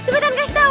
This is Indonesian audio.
cepetan kasih tau